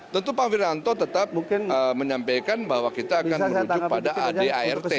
tentu pak wiranto tetap menyampaikan bahwa kita akan merujuk pada adart